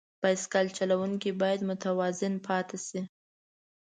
بایسکل چلوونکی باید متوازن پاتې شي.